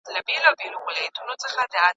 غرڅه هغو پښو له پړانګه وو ژغورلی